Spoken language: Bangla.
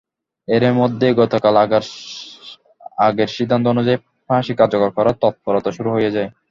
এরই মধ্যে গতকাল আগের সিদ্ধান্ত অনুযায়ী ফাঁসি কার্যকর করার তৎপরতা শুরু হয়ে যায়।